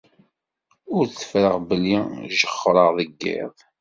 Ur tteffreɣ belli jexxreɣ deg iḍes...